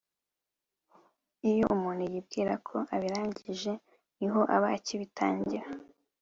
Iyo umuntu yibwira ko abirangije, ni ho aba akibitangira,